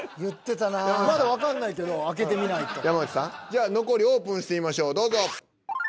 じゃ残りオープンしてみましょうどうぞ。